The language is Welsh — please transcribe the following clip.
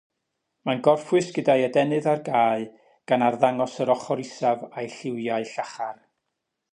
Mae'n gorffwys gyda'i adenydd ar gau gan arddangos yr ochr isaf a'i lliwiau llachar.